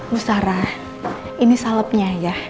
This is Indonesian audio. bu sarah ini salepnya ya